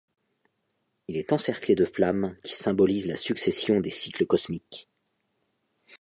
Il est encerclé de flammes qui symbolisent la succession des cycles cosmiques.